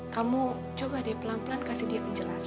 kamu coba deh pelan pelan kasih dia penjelasan ya